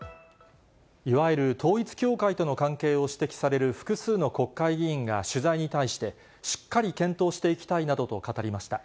いわゆる統一教会との関係を指摘される複数の国会議員が取材に対して、しっかり検討していきたいなどと語りました。